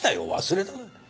忘れた。